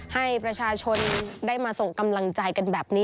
ให้ประชาชนได้มาส่งกำลังใจกันแบบนี้